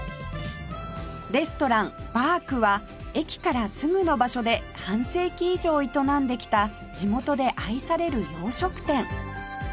レストランばーくは駅からすぐの場所で半世紀以上営んできた地元で愛される洋食店